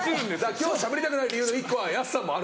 今日しゃべりたくない理由の１個はヤスさんもある。